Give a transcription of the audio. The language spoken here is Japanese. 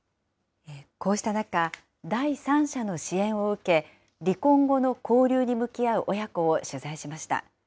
こうした中、第三者の支援を受け、離婚後の交流に向き合う親子を取材しました。